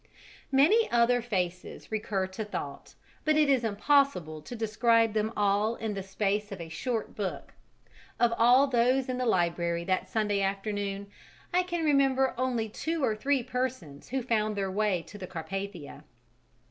Many other faces recur to thought, but it is impossible to describe them all in the space of a short book: of all those in the library that Sunday afternoon, I can remember only two or three persons who found their way to the Carpathia.